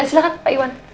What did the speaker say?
silahkan pak iwan